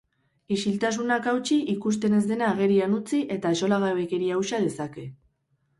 Isiltasunak hautsi, ikusten ez dena agerian utzi eta axolagabekeria uxa dezake.